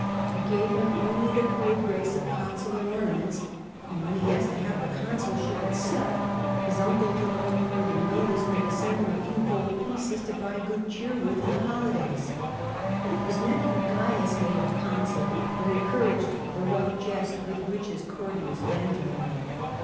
He gave him only the poor grace of consular ornaments ; Tiberius and when he asked to have the consulship itself his uncle took no further notice than to send him a few gold pieces to buy good cheer with in the holidays. His nephew Caius made him consul, but encour aged the rough jests with which his courtiers bantered him.